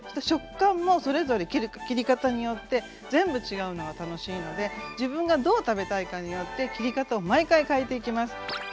食感もそれぞれ切り方によって全部違うのが楽しいので自分がどう食べたいかによって切り方を毎回変えていきます。